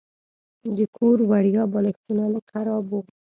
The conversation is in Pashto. د کور وړیا بالښتونه لږ خراب وو.